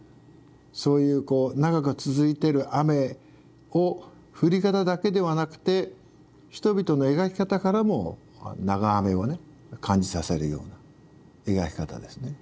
そういうこう長く続いてる雨を降り方だけではなくて人々の描き方からも長雨をね感じさせるような描き方ですね。